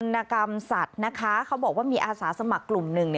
นกรรมสัตว์นะคะเขาบอกว่ามีอาสาสมัครกลุ่มหนึ่ง